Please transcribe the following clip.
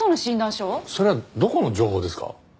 それはどこの情報ですか？